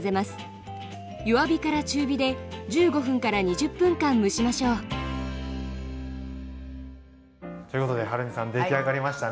弱火中火で１５２０分間蒸しましょう。ということではるみさんできあがりましたね。